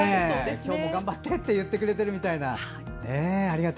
今日も頑張ってと言ってくれてるみたいな。